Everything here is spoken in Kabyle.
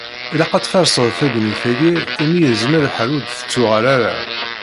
Ilaq ad tfarṣeḍ tagnit-ayi imi yezmer lḥal ur d-tettuɣal ara.